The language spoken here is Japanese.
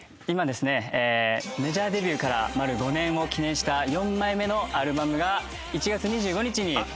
今ですねメジャーデビューから丸５年を記念した４枚目のアルバムが１月２５日に。